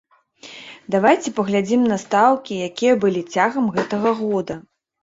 Давайце паглядзім на стаўкі, якія былі цягам гэтага года.